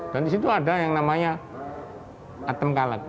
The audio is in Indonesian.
dan di situ ada yang namanya atom kalak